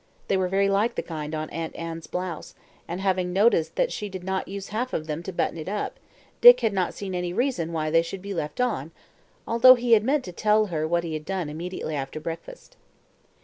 They were very like the kind on Aunt Anne's blouse, and having noticed that she did not use half of them to button it up, Dick had not seen any reason why they should be left on although he had meant to tell her what he had done immediately after breakfast.